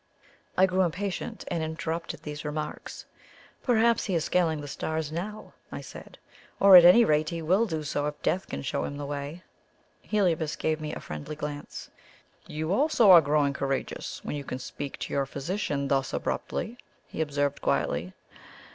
I grew impatient, and interrupted these remarks. "Perhaps he is scaling the stars now," I said; "or at any rate he will do so if death can show him the way." Heliobas gave me a friendly glance. "You also are growing courageous when you can speak to your physician thus abruptly," he observed quietly.